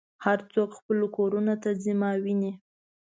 هر څوک خپلو کورونو ته ځي ما وینې.